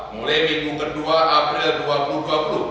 mulai minggu kedua april dua ribu dua puluh